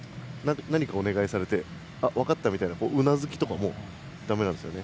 何かをお願いされて分かったみたいなうなずきもだめなんですよね。